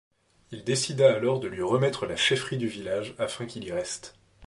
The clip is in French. Il décida alors de lui remettre la chefferie du village afin qu'il y reste.